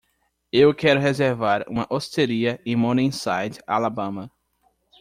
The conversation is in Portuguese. Eu quero reservar uma osteria em Morningside Alabama.